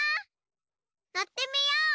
のってみよう！